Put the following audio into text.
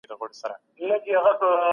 د بې وزلو خلګو مرسته وکړئ.